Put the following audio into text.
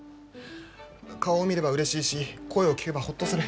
顔を見れば、うれしいし声を聞けば、ホッとする。